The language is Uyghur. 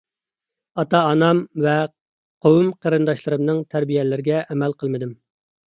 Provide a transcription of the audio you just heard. ئاتا - ئانام ۋە قوۋم - قېرىنداشلىرىمنىڭ تەربىيەلىرىگە ئەمەل قىلمىدىم.